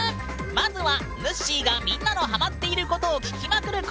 まずはぬっしーがみんなのハマっていることを聞きまくる